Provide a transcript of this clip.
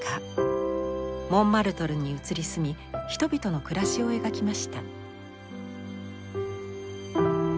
モンマルトルに移り住み人々の暮らしを描きました。